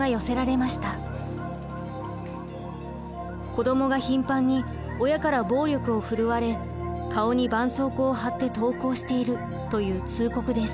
「子どもが頻繁に親から暴力を振るわれ顔にばんそうこうを貼って登校している」という通告です。